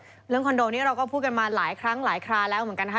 เรื่องคอนโดนี้เราก็พูดกันมาหลายครั้งหลายคราแล้วเหมือนกันนะคะ